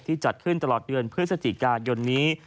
จัดขึ้นตลอดเดือนพฤศจิกายนนี้